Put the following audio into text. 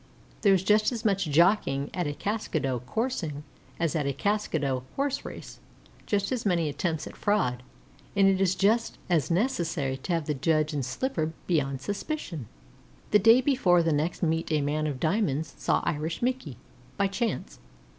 There is just as much jockeying at a Kaskado coursing as at a Kaskado horse race, just as many attempts at fraud, and it is just as necessary to have the judge and slipper beyond suspicion. The day before the next meet a man of diamonds saw Irish Mickey by chance.